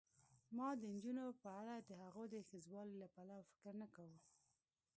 ما د نجونو په اړه دهغو د ښځوالي له پلوه فکر نه کاوه.